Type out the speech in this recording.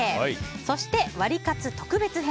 そしてワリカツ特別編！